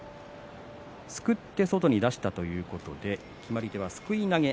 すって外に出したということで決まり手はすくい投げ。